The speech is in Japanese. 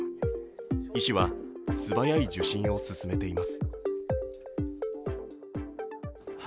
医師は素早い受診を勧めています。